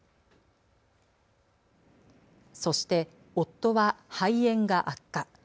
そして、夫は肺炎が悪化。